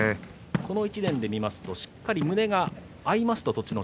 この１年で見ますとしっかり胸が合いますと栃ノ